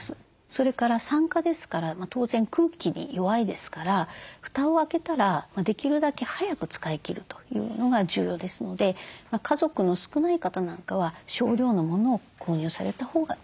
それから酸化ですから当然空気に弱いですからふたを開けたらできるだけ早く使い切るというのが重要ですので家族の少ない方なんかは少量のものを購入されたほうがいいと思います。